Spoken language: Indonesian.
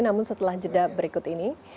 namun setelah jeda berikut ini